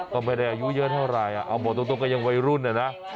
เขาไปได้อายุเยอะเท่าไรเอาบอกตบก็ยังวัยรุ่น